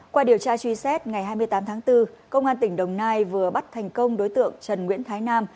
qua điều tra truy xét ngày hai mươi tám tháng bốn công an tỉnh đồng nai vừa bắt thành công đối tượng trần nguyễn thái nam